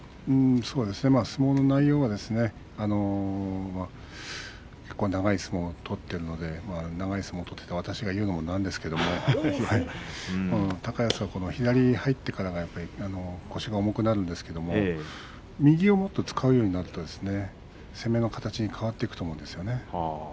相撲の内容が結構長い相撲を取っているので長い相撲を取っていた私が言うのもなんですけど高安は左が入ってから腰が重くなるんですけど右をもっと使うようになると攻めの形に変わっていくと思うんですよね。